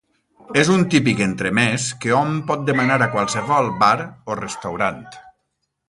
És un típic entremès que hom pot demanar a qualsevol bar o restaurant.